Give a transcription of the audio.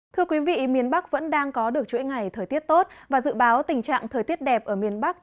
thưa quý vị miền bắc vẫn đang có được chuỗi ngày thời tiết tốt và dự báo tình trạng thời tiết đẹp ở miền bắc